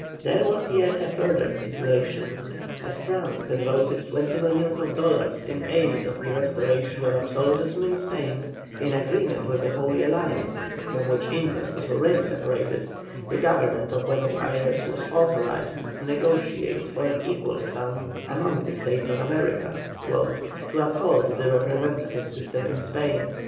There was yet a further stipulation. As France had voted 20 millions of dollars in aid of the restoration of absolutism in Spain, in agreement with the Holy Alliance, from which England was already separated, the Government of Buenos Ayres was authorized to negotiate for an equal sum among the States of America "to uphold the representative system in Spain."